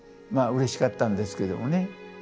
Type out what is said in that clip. まあうれしかったんですけどもね。